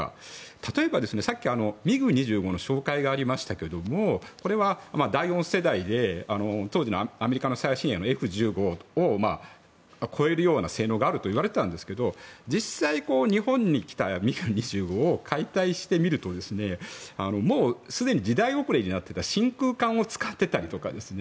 例えば、さっきミグ２５の紹介がありましたがこれは第４世代で当時のアメリカの最新鋭のＦ１５を超えるような性能があるといわれていたんですけど実際に日本に来たミグ２５を解体してみるともうすでに時代遅れになっていた真空管を使っていたりとか。